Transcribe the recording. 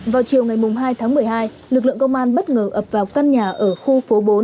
vào chiều ngày hai tháng một mươi hai lực lượng công an bất ngờ ập vào căn nhà ở khu phố bốn